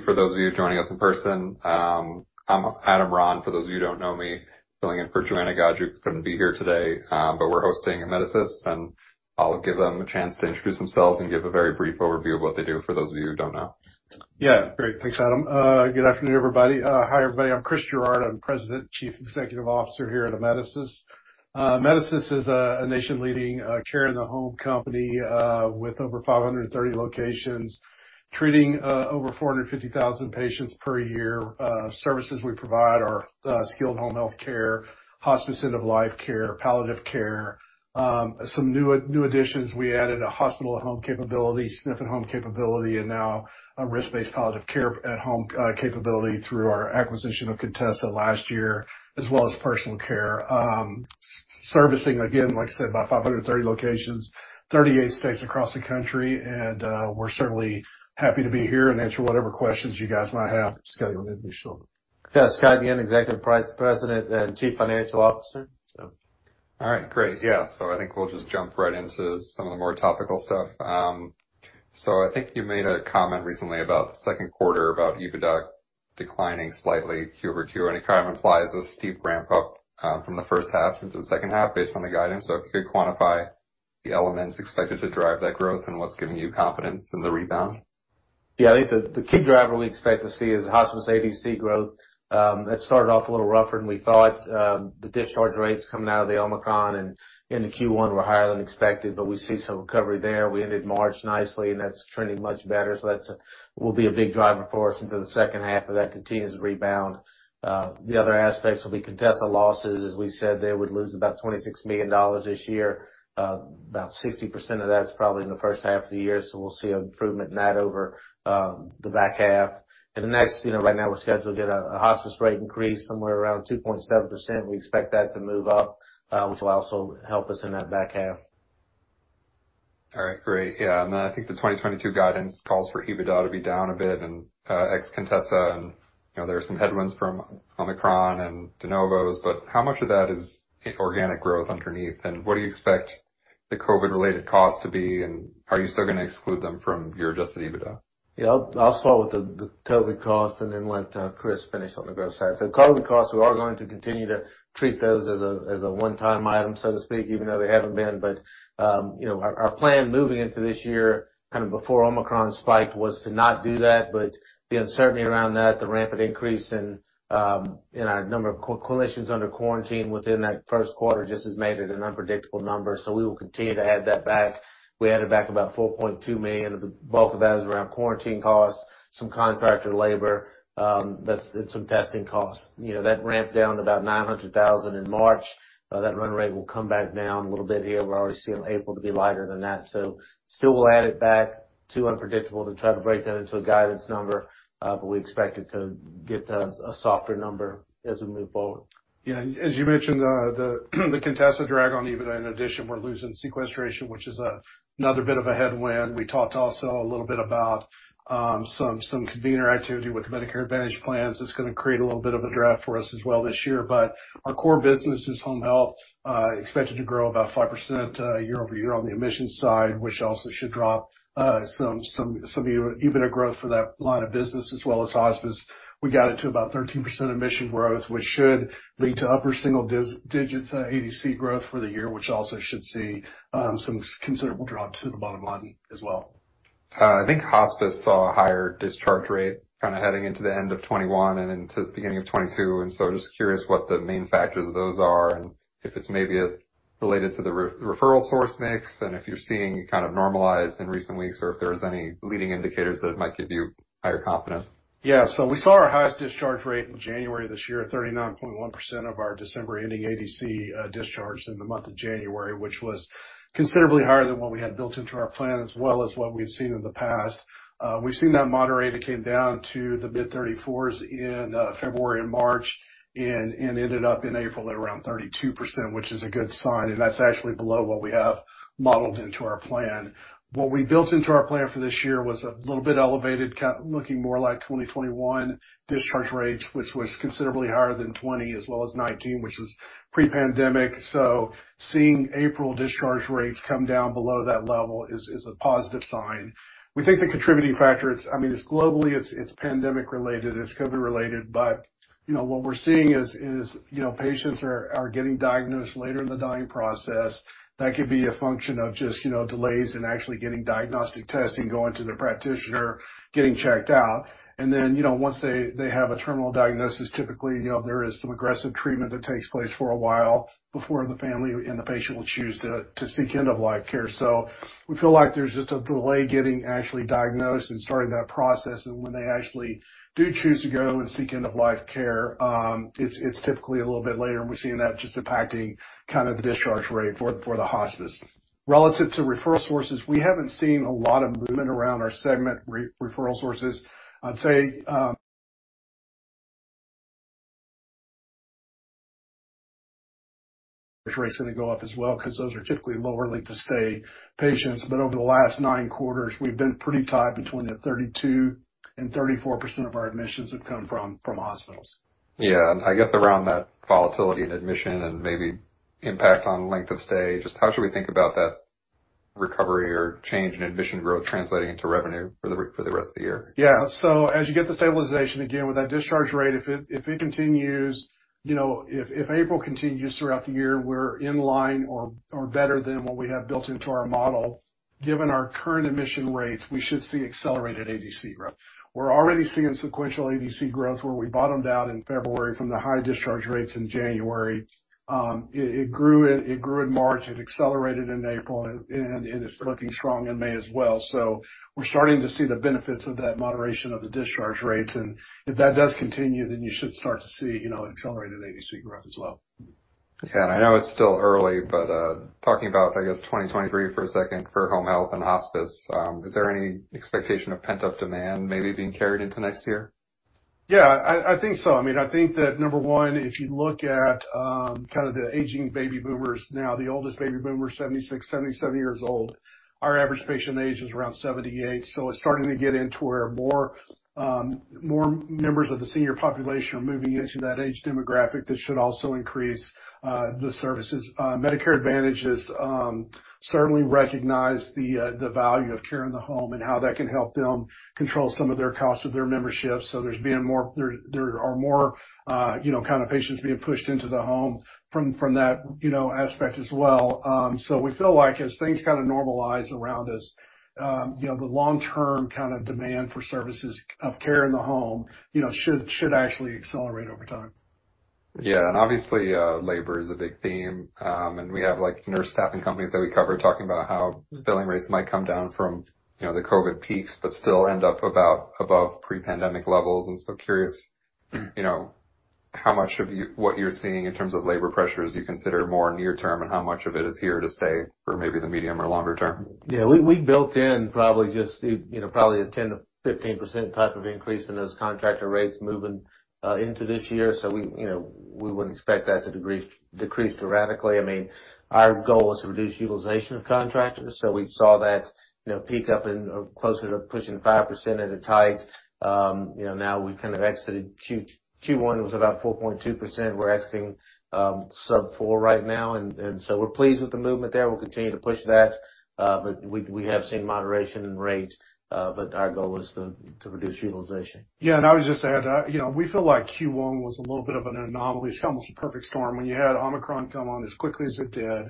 For those of you joining us in person, I'm Adam Ron, for those of you who don't know me, filling in for Joanna Gajuk, who couldn't be here today. We're hosting Amedisys, and I'll give them a chance to introduce themselves and give a very brief overview of what they do for those of you who don't know. Yeah. Great. Thanks, Adam. Good afternoon, everybody. Hi, everybody. I'm Chris Gerard. I'm President, Chief Executive Officer here at Amedisys. Amedisys is a nation-leading care in the home company with over 530 locations, treating over 450,000 patients per year. Services we provide are skilled home health care, hospice end-of-life care, palliative care. Some new additions, we added a hospital at home capability, SNF at home capability, and now a risk-based palliative care at home capability through our acquisition of Contessa last year, as well as personal care. Servicing, again, like I said, about 530 locations, 38 states across the country, and we're certainly happy to be here and answer whatever questions you guys might have. Scott, you want to introduce yourself? Scott Ginn, President and Chief Financial Officer. All right. Great. Yeah. I think we'll just jump right into some of the more topical stuff. I think you made a comment recently about the second quarter, about EBITDA declining slightly quarter-over-quarter, and it kind of implies a steep ramp up, from the first half into the second half based on the guidance. If you could quantify the elements expected to drive that growth and what's giving you confidence in the rebound? Yeah. I think the key driver we expect to see is hospice ADC growth. It started off a little rougher than we thought. The discharge rates coming out of the Omicron and into Q1 were higher than expected, but we see some recovery there. We ended March nicely, and that's trending much better. That's will be a big driver for us into the second half of that continuous rebound. The other aspects will be Contessa losses. As we said, they would lose about $26 million this year. About 60% of that is probably in the first half of the year, so we'll see improvement in that over the back half. The next right now we're scheduled to get a hospice rate increase somewhere around 2.7%. We expect that to move up, which will also help us in that back half. All right. Great. Yeah. I think the 2022 guidance calls for EBITDA to be down a bit and ex Contessa and, you know, there are some headwinds from Omicron and de novos, but how much of that is organic growth underneath? What do you expect the COVID-related costs to be, and are you still gonna exclude them from your adjusted EBITDA? I'll start with the COVID costs and then let Chris finish on the growth side. COVID costs, we are going to continue to treat those as a one-time item, so to speak, even though they haven't been. You know, our plan moving into this year, kind of before Omicron spiked, was to not do that, but the uncertainty around that, the rampant increase in our number of clinicians under quarantine within that first quarter just has made it an unpredictable number. We will continue to add that back. We added back about $4.2 million, and the bulk of that is around quarantine costs, some contractor labor, and some testing costs. You know, that ramped down to about $900,000 in March. That run rate will come back down a little bit here. We're already seeing April to be lighter than that. Still we'll add it back. Too unpredictable to try to break that into a guidance number, but we expect it to get to a softer number as we move forward. Yeah. As you mentioned, the Contessa drag on EBITDA, in addition, we're losing sequestration, which is another bit of a headwind. We talked also a little bit about some convener activity with Medicare Advantage plans. That's gonna create a little bit of a drag for us as well this year. Our core business is home health, expected to grow about 5% year-over-year on the admissions side, which also should drive some of the EBITDA growth for that line of business as well as hospice. We got it to about 13% admission growth, which should lead to upper single digits ADC growth for the year, which also should see some considerable drive to the bottom line as well. I think hospice saw a higher discharge rate kinda heading into the end of 2021 and into the beginning of 2022, and so just curious what the main factors of those are and if it's maybe related to the referral source mix and if you're seeing it kind of normalize in recent weeks or if there's any leading indicators that might give you higher confidence. Yeah. We saw our highest discharge rate in January this year, 39.1% of our December ending ADC discharged in the month of January, which was considerably higher than what we had built into our plan as well as what we've seen in the past. We've seen that moderate. It came down to the mid-30s in February and March and ended up in April at around 32%, which is a good sign, and that's actually below what we have modeled into our plan. What we built into our plan for this year was a little bit elevated, looking more like 2021 discharge rates, which was considerably higher than 2020 as well as 2019, which was pre-pandemic. Seeing April discharge rates come down below that level is a positive sign. We think the contributing factor, I mean, it's globally, it's pandemic related, it's COVID related, but you know, what we're seeing is you know, patients are getting diagnosed later in the dying process. That could be a function of just you know, delays in actually getting diagnostic testing, going to their practitioner, getting checked out. You know, once they have a terminal diagnosis, typically you know, there is some aggressive treatment that takes place for a while before the family and the patient will choose to seek end-of-life care. We feel like there's just a delay getting actually diagnosed and starting that process. When they actually do choose to go and seek end-of-life care, it's typically a little bit later, and we're seeing that just impacting kind of the discharge rate for the hospice. Relative to referral sources, we haven't seen a lot of movement around our segment referral sources. I'd say, discharge rate's gonna go up as well because those are typically lower length of stay patients. Over the last nine quarters, we've been pretty tight between the 32% and 34% of our admissions have come from hospitals. Yeah. I guess around that volatility in admission and maybe impact on length of stay, just how should we think about that recovery or change in admission growth translating into revenue for the rest of the year. Yeah. As you get the stabilization, again, with that discharge rate, if it continues, you know, if April continues throughout the year, we're in line or better than what we have built into our model. Given our current admission rates, we should see accelerated ADC growth. We're already seeing sequential ADC growth where we bottomed out in February from the high discharge rates in January. It grew in March, it accelerated in April, and it's looking strong in May as well. We're starting to see the benefits of that moderation of the discharge rates, and if that does continue, then you should start to see, you know, accelerated ADC growth as well. Yeah. I know it's still early, but talking about, I guess, 2023 for a second for home health and hospice, is there any expectation of pent-up demand maybe being carried into next year? Yeah. I think so. I mean, I think that number one, if you look at kinda the aging baby boomers now, the oldest baby boomer is 76, 77 years old. Our average patient age is around 78, so it's starting to get into where more members of the senior population are moving into that age demographic that should also increase the services. Medicare Advantage has certainly recognized the value of care in the home and how that can help them control some of their costs with their memberships, so there are more, you know, kind of patients being pushed into the home from that, you know, aspect as well. We feel like as things kinda normalize around this, you know, the long-term kinda demand for services of care in the home, you know, should actually accelerate over time. Yeah. Obviously, labor is a big theme. We have, like, nurse staffing companies that we cover talking about how billing rates might come down from, you know, the COVID peaks, but still end up about above pre-pandemic levels. Curious, you know, how much of what you're seeing in terms of labor pressures do you consider more near term, and how much of it is here to stay for maybe the medium or longer term? Yeah. We built in probably just you know probably a 10%-15% type of increase in those contractor rates moving into this year. We you know we wouldn't expect that to decrease dramatically. I mean, our goal is to reduce utilization of contractors. We saw that you know peak up in closer to pushing 5% at its highest. You know, now we've kind of exited Q1 was about 4.2%. We're exiting sub 4% right now, and so we're pleased with the movement there. We'll continue to push that. We have seen moderation in rates, but our goal is to reduce utilization. Yeah. I would just add, you know, we feel like Q1 was a little bit of an anomaly. It's almost a perfect storm. When you had Omicron come on as quickly as it did,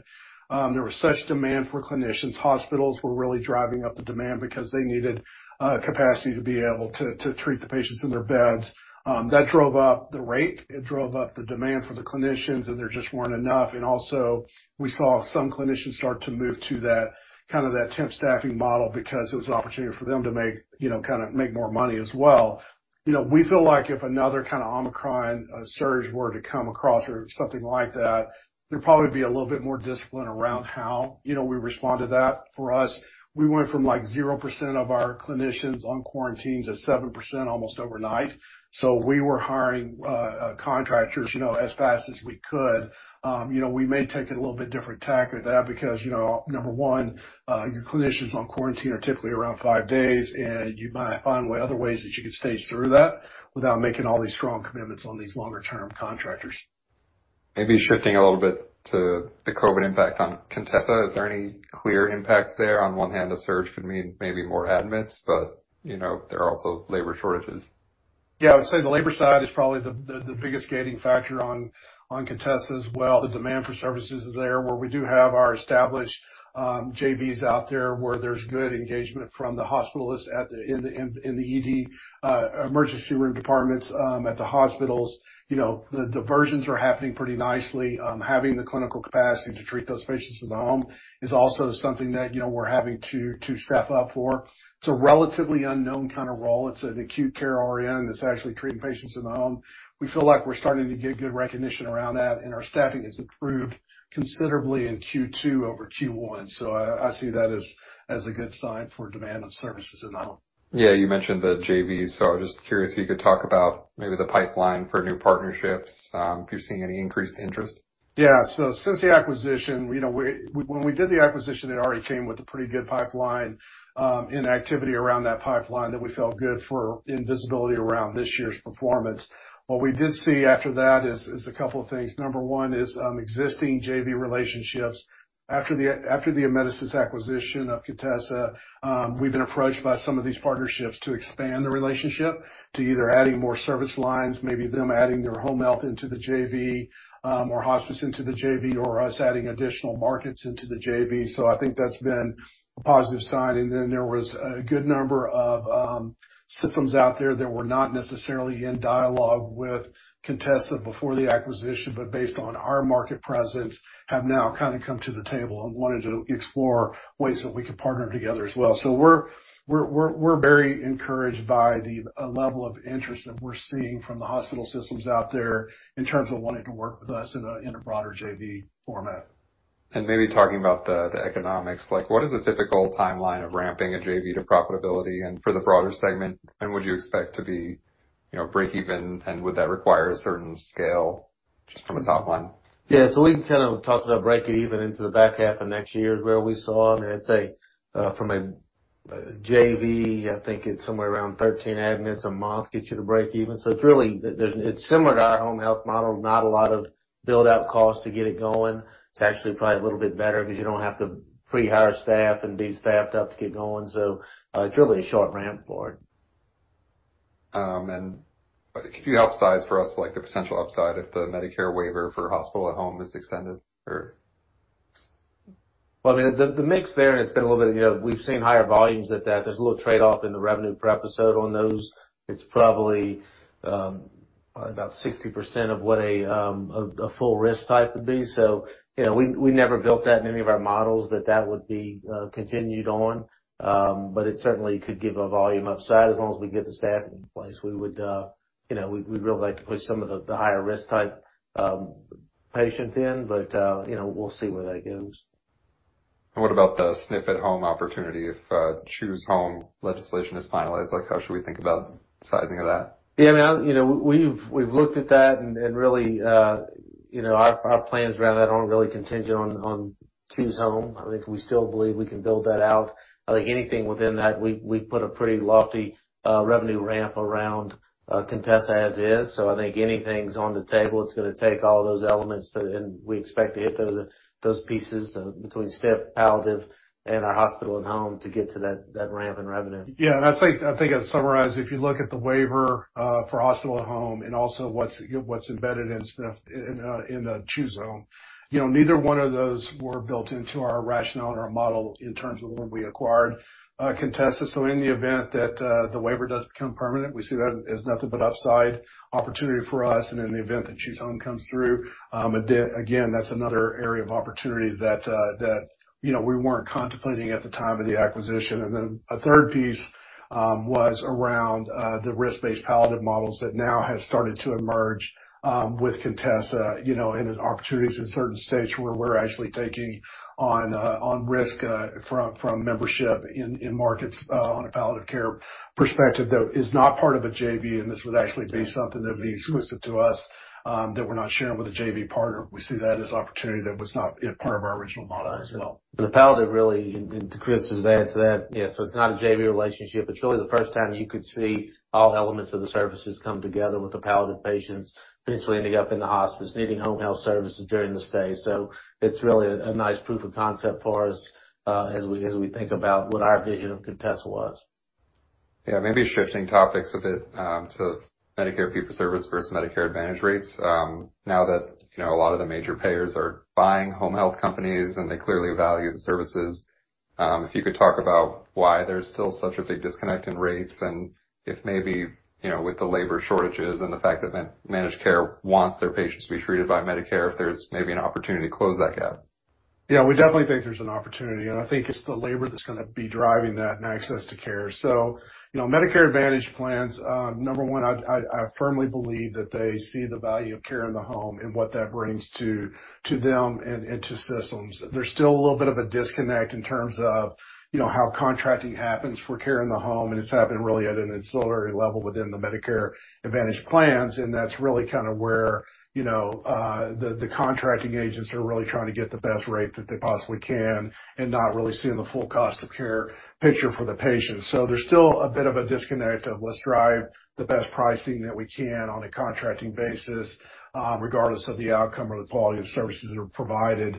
there was such demand for clinicians. Hospitals were really driving up the demand because they needed capacity to be able to treat the patients in their beds. That drove up the rate, it drove up the demand for the clinicians, and there just weren't enough. Also, we saw some clinicians start to move to that kinda temp staffing model because it was an opportunity for them to make, you know, kinda more money as well. You know, we feel like if another kinda Omicron surge were to come across or something like that, there'd probably be a little bit more discipline around how, you know, we respond to that. For us, we went from like 0% of our clinicians on quarantine to 7% almost overnight. We were hiring contractors, you know, as fast as we could. You know, we may take a little bit different tack with that because, you know, number one, your clinicians on quarantine are typically around five days, and you might find other ways that you could stage through that without making all these strong commitments on these longer term contractors. Maybe shifting a little bit to the COVID impact on Contessa. Is there any clear impact there? On one hand, the surge could mean maybe more admits, but you know, there are also labor shortages. Yeah. I would say the labor side is probably the biggest gating factor on Contessa as well. The demand for services is there, where we do have our established JVs out there, where there's good engagement from the hospitalists in the ED emergency room departments at the hospitals. You know, the diversions are happening pretty nicely. Having the clinical capacity to treat those patients in the home is also something that, you know, we're having to staff up for. It's a relatively unknown kinda role. It's an acute care RN that's actually treating patients in the home. We feel like we're starting to get good recognition around that, and our staffing has improved considerably in Q2 over Q1. I see that as a good sign for demand of services in the home. Yeah. You mentioned the JVs, so I was just curious if you could talk about maybe the pipeline for new partnerships, if you're seeing any increased interest? Yeah. Since the acquisition, you know, when we did the acquisition, it already came with a pretty good pipeline, and activity around that pipeline that we felt good for in visibility around this year's performance. What we did see after that is a couple of things. Number one is existing JV relationships. After the Amedisys acquisition of Contessa, we've been approached by some of these partnerships to expand the relationship to either adding more service lines, maybe them adding their home health into the JV, or hospice into the JV, or us adding additional markets into the JV. I think that's been a positive sign. Then there was a good number of systems out there that were not necessarily in dialogue with Contessa before the acquisition, but based on our market presence, have now kinda come to the table and wanted to explore ways that we could partner together as well. We're very encouraged by the level of interest that we're seeing from the hospital systems out there in terms of wanting to work with us in a broader JV format. Maybe talking about the economics, like what is a typical timeline of ramping a JV to profitability? For the broader segment, when would you expect to be, you know, breakeven, and would that require a certain scale? Just from a top line. Yeah. We kind of talked about breakeven into the back half of next year is where we saw. I mean, I'd say, from a JV, I think it's somewhere around 13 admits a month gets you to breakeven. It's really. It's similar to our home health model, not a lot of build-out costs to get it going. It's actually probably a little bit better because you don't have to pre-hire staff and be staffed up to get going. It's really a short ramp for it. Could you help size for us, like, the potential upside if the Medicare waiver for hospital at home is extended or? I mean, the mix there, and it's been a little bit, you know, we've seen higher volumes at that. There's a little trade-off in the revenue per episode on those. It's probably about 60% of what a full risk type would be. You know, we never built that in any of our models that would be continued on. It certainly could give a volume upside as long as we get the staffing in place. We would, you know, we'd really like to push some of the higher risk type patients in. You know, we'll see where that goes. What about the SNF at home opportunity if Choose Home Care Act is finalized? Like, how should we think about sizing of that? I mean, you know, we've looked at that, and really, you know, our plans around that aren't really contingent on Choose Home. I think we still believe we can build that out. I think anything within that, we put a pretty lofty revenue ramp around Contessa as is. I think anything's on the table, it's gonna take all those elements and we expect to hit those pieces between SNF, palliative, and our hospital at home to get to that ramp in revenue. Yeah. I think I'd summarize, if you look at the waiver for hospital at home and also what's embedded in SNF at home in the Choose Home, you know, neither one of those were built into our rationale and our model in terms of when we acquired Contessa. In the event that the waiver does become permanent, we see that as nothing but upside opportunity for us. In the event that Choose Home comes through, again, that's another area of opportunity that, you know, we weren't contemplating at the time of the acquisition. A third piece was around the risk-based palliative models that now has started to emerge with Contessa, you know, and there's opportunities in certain states where we're actually taking on risk from membership in markets on a palliative care perspective that is not part of a JV, and this would actually be something that would be exclusive to us, that we're not sharing with a JV partner. We see that as opportunity that was not part of our original model as well. To add to that, Chris, yeah, so it's not a JV relationship. It's really the first time you could see all elements of the services come together with the palliative patients potentially ending up in the hospice, needing home health services during the stay. It's really a nice proof of concept for us, as we think about what our vision of Contessa was. Yeah. Maybe shifting topics a bit, to Medicare fee-for-service versus Medicare Advantage rates. Now that, you know, a lot of the major payers are buying home health companies, and they clearly value the services, if you could talk about why there's still such a big disconnect in rates and if maybe, you know, with the labor shortages and the fact that managed care wants their patients to be treated by Medicare, if there's maybe an opportunity to close that gap. Yeah, we definitely think there's an opportunity, and I think it's the labor that's gonna be driving that and access to care. You know, Medicare Advantage plans, number one, I firmly believe that they see the value of care in the home and what that brings to them and to systems. There's still a little bit of a disconnect in terms of, you know, how contracting happens for care in the home, and it's happening really at an ancillary level within the Medicare Advantage plans, and that's really kinda where, you know, the contracting agents are really trying to get the best rate that they possibly can and not really seeing the full cost of care picture for the patients. There's still a bit of a disconnect of let's drive the best pricing that we can on a contracting basis, regardless of the outcome or the quality of services that are provided.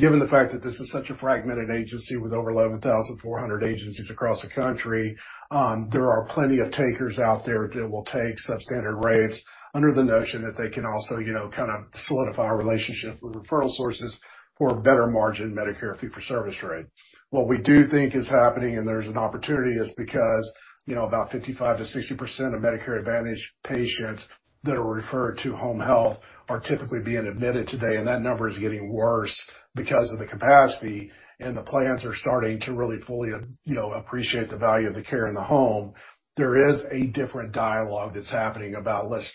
Given the fact that this is such a fragmented agency with over 11,400 agencies across the country, there are plenty of takers out there that will take substandard rates under the notion that they can also, you know, kinda solidify relationships with referral sources for a better margin Medicare fee-for-service rate. What we do think is happening, and there's an opportunity, is because, you know, about 55%-60% of Medicare Advantage patients that are referred to home health are typically being admitted today, and that number is getting worse because of the capacity, and the plans are starting to really fully, you know, appreciate the value of the care in the home. There is a different dialogue that's happening about let's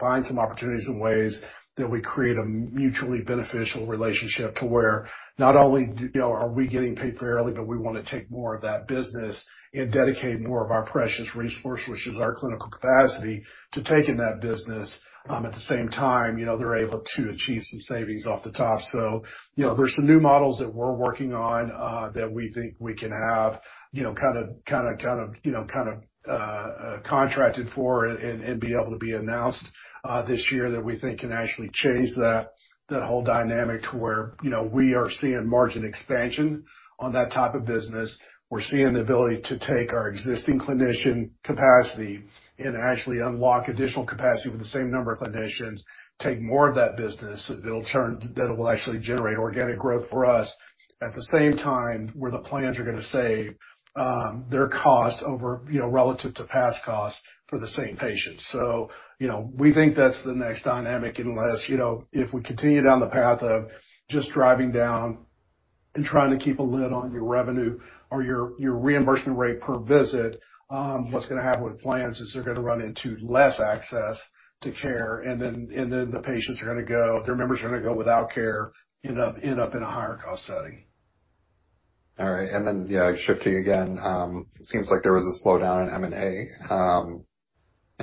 find some opportunities and ways that we create a mutually beneficial relationship to where not only do, you know, are we getting paid fairly, but we wanna take more of that business and dedicate more of our precious resource, which is our clinical capacity, to take in that business. At the same time, you know, they're able to achieve some savings off the top. You know, there's some new models that we're working on that we think we can have, you know, kinda contracted for and be able to be announced this year that we think can actually change that whole dynamic to where, you know, we are seeing margin expansion on that type of business. We're seeing the ability to take our existing clinician capacity and actually unlock additional capacity with the same number of clinicians, take more of that business that will actually generate organic growth for us. At the same time, where the plans are gonna save their cost over, you know, relative to past costs for the same patients. You know, we think that's the next dynamic unless, you know, if we continue down the path of just driving down and trying to keep a lid on your revenue or your reimbursement rate per visit, what's gonna happen with plans is they're gonna run into less access to care, and then the patients are gonna go, their members are gonna go without care, end up in a higher cost setting. All right. Then, yeah, shifting again, seems like there was a slowdown in M&A.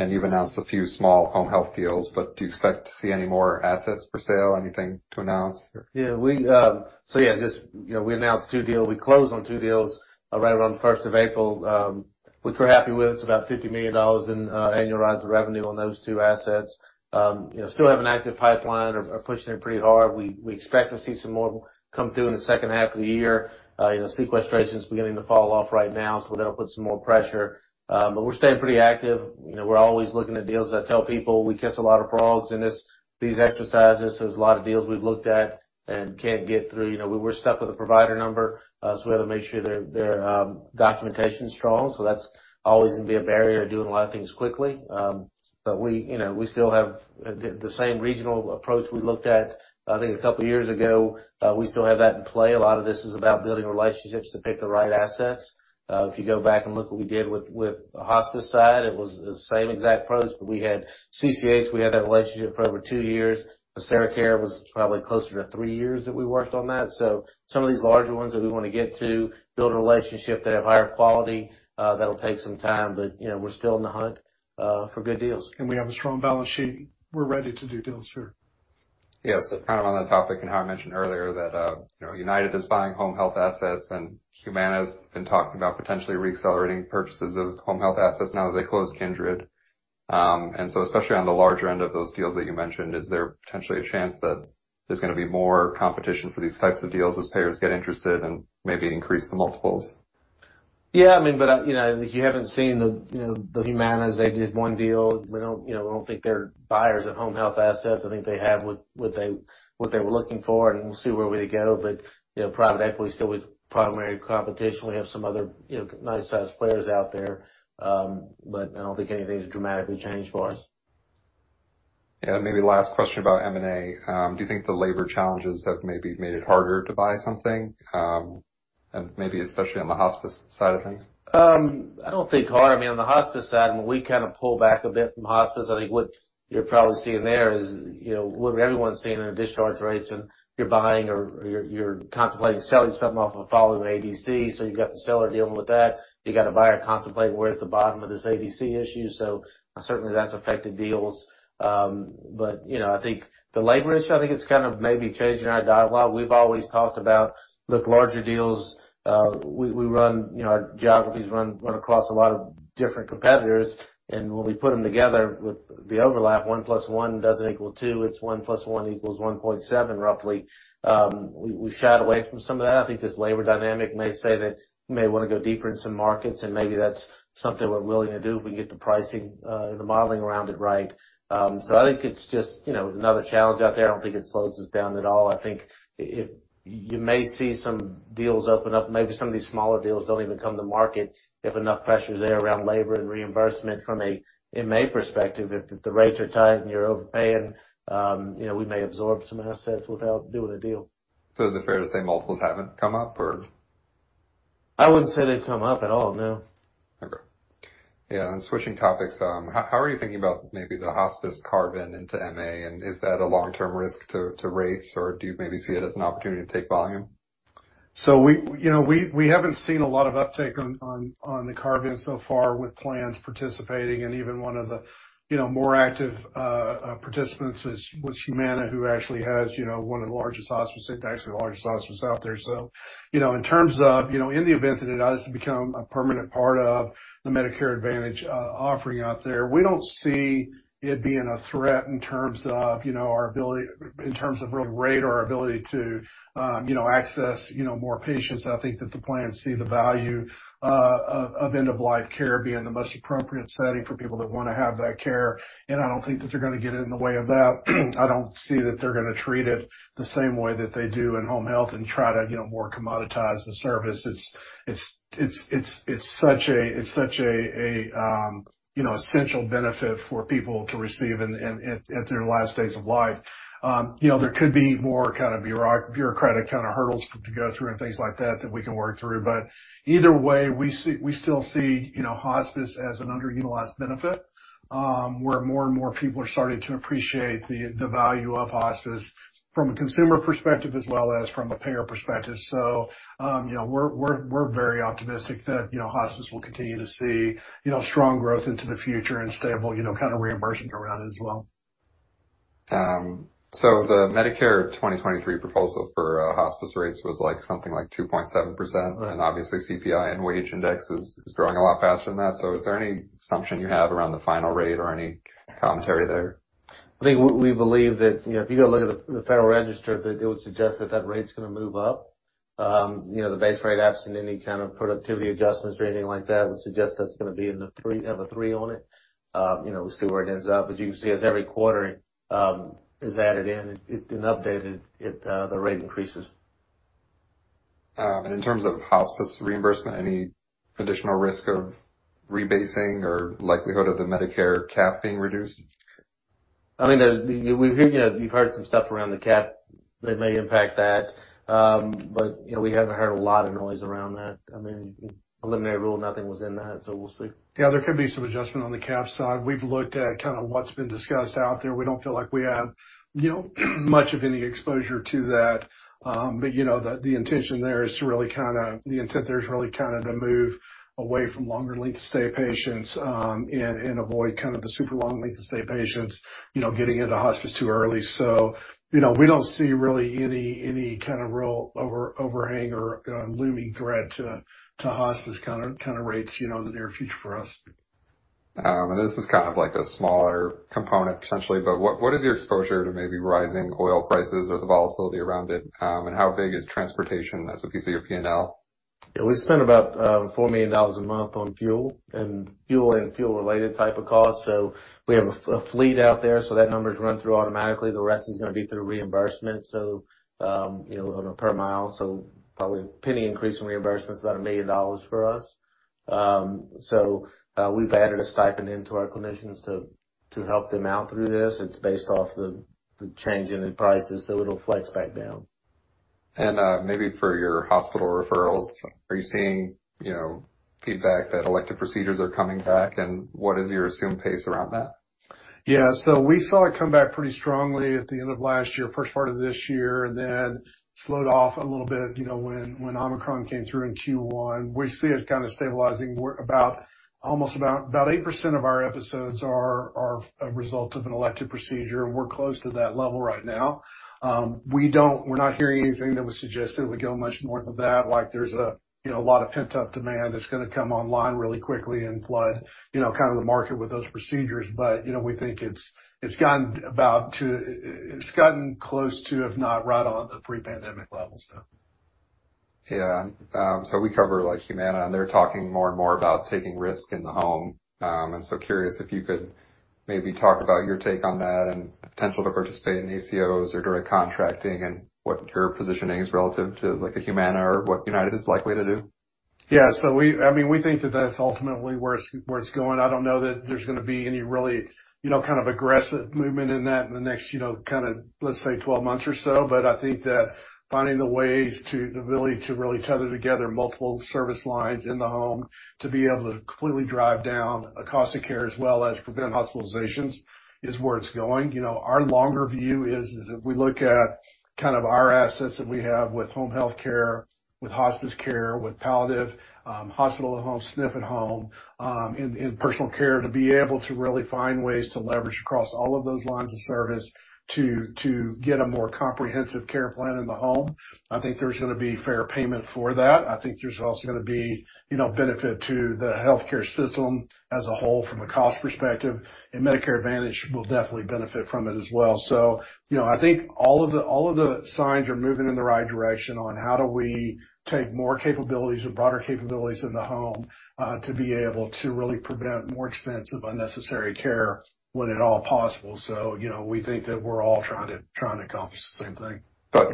You've announced a few small home health deals, but do you expect to see any more assets for sale? Anything to announce? Yeah, so yeah, just, you know, we closed on two deals right around the first of April, which we're happy with. It's about $50 million in annualized revenue on those two assets. You know, still have an active pipeline. Are pushing it pretty hard. We expect to see some more come through in the second half of the year. You know, sequestration is beginning to fall off right now, so we're gonna put some more pressure. We're staying pretty active. You know, we're always looking at deals. I tell people we kiss a lot of frogs in these exercises. There's a lot of deals we've looked at and can't get through. You know, we're stuck with a provider number, so we have to make sure their documentation is strong. That's always gonna be a barrier to doing a lot of things quickly. You know, we still have the same regional approach we looked at, I think, a couple of years ago. We still have that in play. A lot of this is about building relationships to pick the right assets. If you go back and look what we did with the hospice side, it was the same exact approach, but we had CCH. We had that relationship for over two years. AseraCare was probably closer to three years that we worked on that. Some of these larger ones that we wanna get to build a relationship, that have higher quality, that'll take some time. You know, we're still in the hunt for good deals. We have a strong balance sheet. We're ready to do deals. Sure. Yeah. Kind of on that topic and how I mentioned earlier that, you know, United is buying home health assets and Humana's been talking about potentially re-accelerating purchases of home health assets now that they closed Kindred. Especially on the larger end of those deals that you mentioned, is there potentially a chance that there's gonna be more competition for these types of deals as payers get interested and maybe increase the multiples? I mean, you know, you haven't seen the Humana. They did one deal. We don't, you know, think they're buyers of home health assets. I think they have what they were looking for, and we'll see where they go. You know, private equity still is primary competition. We have some other, you know, nice sized players out there. I don't think anything's dramatically changed for us. Yeah. Maybe last question about M&A. Do you think the labor challenges have maybe made it harder to buy something, and maybe especially on the hospice side of things? I don't think hard. I mean, on the hospice side, when we kind of pull back a bit from hospice, I think what you're probably seeing there is, you know, what everyone's seeing in discharge rates, and you're buying or you're contemplating selling something off of a following ADC. You've got the seller dealing with that. You've got a buyer contemplating where is the bottom of this ADC issue. Certainly that's affected deals. You know, I think the labor issue, I think it's kind of maybe changing our dialogue. We've always talked about with larger deals, we run, you know, our geographies run across a lot of different competitors, and when we put them together with the overlap, 1 + 1 doesn't equal 2. It's 1 + 1 = 1.7, roughly. We shied away from some of that. I think this labor dynamic may say that you may wanna go deeper in some markets, and maybe that's something we're willing to do if we can get the pricing, the modeling around it right. I think it's just, you know, another challenge out there. I don't think it slows us down at all. I think it. You may see some deals open up. Maybe some of these smaller deals don't even come to market if enough pressure is there around labor and reimbursement from a MA perspective. If the rates are tight and you're overpaying, you know, we may absorb some assets without doing a deal. Is it fair to say multiples haven't come up, or? I wouldn't say they've come up at all, no. Okay. Yeah. Switching topics, how are you thinking about maybe the hospice carve-in into MA, and is that a long-term risk to rates, or do you maybe see it as an opportunity to take volume? We haven't seen a lot of uptake on the carve-in so far with plans participating. Even one of the more active participants was Humana, who actually has one of the largest hospice. It's actually the largest hospice out there. In terms of in the event that it does become a permanent part of the Medicare Advantage offering out there, we don't see it being a threat in terms of really rate or our ability to access more patients. I think that the plans see the value of end of life care being the most appropriate setting for people that wanna have that care, and I don't think that they're gonna get in the way of that. I don't see that they're gonna treat it the same way that they do in home health and try to, you know, more commoditize the service. It's such a you know, essential benefit for people to receive in their last days of life. You know, there could be more kind of bureaucratic kind of hurdles to go through and things like that we can work through. Either way, we still see, you know, hospice as an underutilized benefit, where more and more people are starting to appreciate the value of hospice from a consumer perspective as well as from a payer perspective. We're very optimistic that, you know, hospice will continue to see, you know, strong growth into the future and stable, you know, kind of reimbursement around it as well. The Medicare 2023 proposal for hospice rates was like something like 2.7%. Right. Obviously, CPI and wage index is growing a lot faster than that. Is there any assumption you have around the final rate or any commentary there? I think we believe that, you know, if you go look at the Federal Register, that it would suggest that that rate's gonna move up. You know, the base rate, absent any kind of productivity adjustments or anything like that, would suggest that's gonna have a three on it. You know, we'll see where it ends up, but you can see as every quarter is added in and updated, the rate increases. In terms of hospice reimbursement, any additional risk of rebasing or likelihood of the Medicare cap being reduced? I mean, we've heard, you know, you've heard some stuff around the cap that may impact that. You know, we haven't heard a lot of noise around that. I mean, in preliminary rule, nothing was in that, so we'll see. Yeah, there could be some adjustment on the cap side. We've looked at kind of what's been discussed out there. We don't feel like we have, you know, much of any exposure to that. But, you know, the intent there is really kind of to move away from longer length stay patients, and avoid kind of the super long length of stay patients, you know, getting into hospice too early. You know, we don't see really any kind of real overhang or looming threat to hospice kinda rates, you know, in the near future for us. This is kind of like a smaller component, potentially, but what is your exposure to maybe rising oil prices or the volatility around it? How big is transportation as a piece of your P&L? Yeah, we spend about $4 million a month on fuel and fuel-related type of costs. We have a fleet out there, so that number's run through automatically. The rest is gonna be through reimbursement. You know, on a per mile, so probably a penny increase in reimbursement is about $1 million for us. We've added a stipend into our clinicians to help them out through this. It's based off the change in the prices, so it'll flex back down. Maybe for your hospital referrals, are you seeing, you know, feedback that elective procedures are coming back? What is your assumed pace around that? Yeah. We saw it come back pretty strongly at the end of last year, first part of this year, and then slowed off a little bit, you know, when Omicron came through in Q1. We see it kinda stabilizing. We're about 8% of our episodes are a result of an elective procedure, and we're close to that level right now. We're not hearing anything that would suggest that it would go much north of that. Like, there's a lot of pent-up demand that's gonna come online really quickly and flood, you know, kind of the market with those procedures. We think it's gotten close to, if not right on, the pre-pandemic levels. Yeah. We cover, like, Humana, and they're talking more and more about taking risk in the home. Curious if you could maybe talk about your take on that, and potential to participate in ACOs or direct contracting, and what your positioning is relative to, like, a Humana or what UnitedHealth is likely to do. Yeah. I mean, we think that that's ultimately where it's going. I don't know that there's gonna be any really, you know, kind of aggressive movement in that in the next, you know, kinda, let's say, 12 months or so. I think that finding the ways to, the ability to really tether together multiple service lines in the home to be able to completely drive down a cost of care as well as prevent hospitalizations is where it's going. You know, our longer view is if we look at kind of our assets that we have with home healthcare, with hospice care, with palliative, hospital at home, SNF at home, in personal care, to be able to really find ways to leverage across all of those lines of service to get a more comprehensive care plan in the home. I think there's gonna be fair payment for that. I think there's also gonna be, you know, benefit to the healthcare system as a whole from a cost perspective, and Medicare Advantage will definitely benefit from it as well. You know, I think all of the signs are moving in the right direction on how do we take more capabilities and broader capabilities in the home to be able to really prevent more expensive, unnecessary care when at all possible. You know, we think that we're all trying to accomplish the same thing.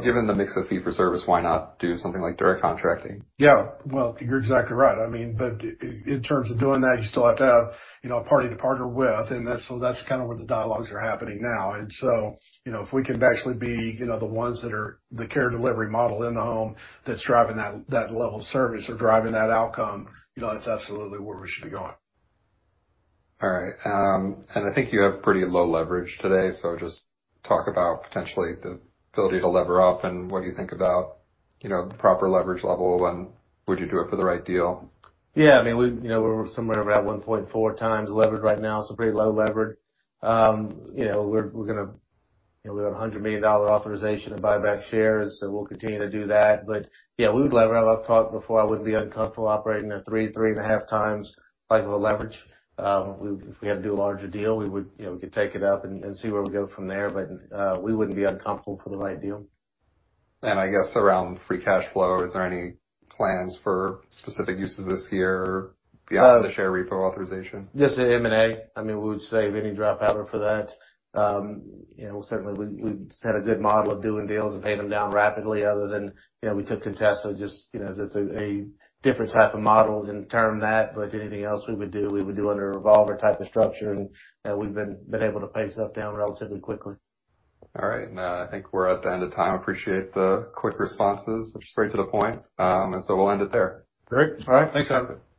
Given the mix of fee-for-service, why not do something like direct contracting? Yeah. Well, you're exactly right. I mean, but in terms of doing that, you still have to have, you know, a party to partner with. So that's kind of where the dialogues are happening now. You know, if we can actually be, you know, the ones that are the care delivery model in the home that's driving that level of service or driving that outcome, you know, that's absolutely where we should be going. All right. I think you have pretty low leverage today, so just talk about potentially the ability to lever up and what you think about, you know, the proper leverage level, and would you do it for the right deal? Yeah. I mean, you know, we're somewhere around 1.4 times levered right now, so pretty low levered. You know, we're gonna, you know, we have a $100 million authorization to buy back shares, so we'll continue to do that. Yeah, we would lever. I've talked before, I wouldn't be uncomfortable operating at 3 and 3.5 times type of a leverage. If we had to do a larger deal, we would, you know, we could take it up and see where we go from there. We wouldn't be uncomfortable for the right deal. I guess around free cash flow, is there any plans for specific uses this year beyond the share repo authorization? Just in M&A. I mean, we would save any debt power for that. You know, certainly we set a good model of doing deals and paying them down rapidly other than, you know, we took Contessa just, you know, as it's a different type of model and terms than that. But anything else we would do, we would do under a revolver type of structure. We've been able to pay that down relatively quickly. All right. I think we're at the end of time. Appreciate the quick responses, which is straight to the point. We'll end it there. Great. All right. Thanks. Thanks.